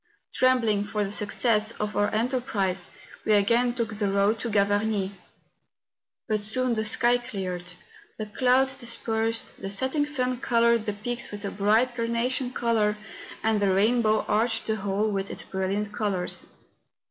Trembling for the success of our enterprise we again took the road to Gavarnie. But soon the sky cleared, the clouds dispersed, the setting sun coloured the peaks with a bright carna¬ tion colour, and the rainbow arched the whole with its brilliant colours.